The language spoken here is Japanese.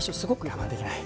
我慢できない。